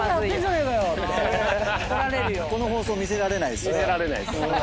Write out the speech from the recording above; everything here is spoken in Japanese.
この放送見せられないですね。